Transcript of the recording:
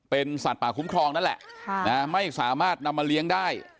เป็นสัตว์ป่าคุ้มครองนั่นแหละไม่สามารถนำมาเลี้ยงได้